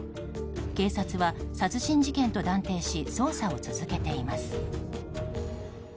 警察は殺人事件と断定し捜査を続けています。